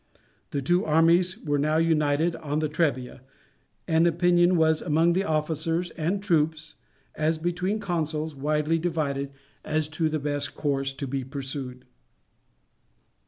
The two armies were now united on the Trebia, and opinion was among the officers and troops, as between the consuls, widely divided as to the best course to be pursued.